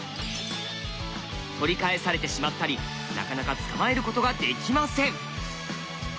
取り返されてしまったりなかなか捕まえることができません。